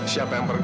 siapa yang pergi